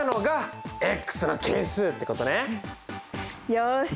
よし。